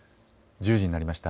１０時になりました。